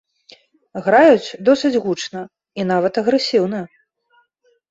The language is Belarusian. Граюць досыць гучна і нават агрэсіўна.